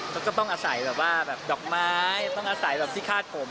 แล้วก็ต้องอาศัยแบบว่าแบบดอกไม้ต้องอาศัยแบบที่คาดผม